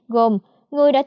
gồm người đàn ông